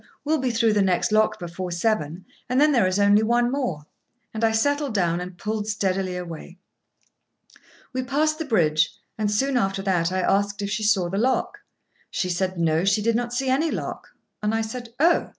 "We'll be through the next lock before seven, and then there is only one more;" and I settled down and pulled steadily away. We passed the bridge, and soon after that I asked if she saw the lock. She said no, she did not see any lock; and I said, "Oh!"